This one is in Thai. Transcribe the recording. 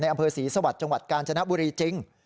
อำเภอศรีสวรรค์จังหวัดกาญจนบุรีจริง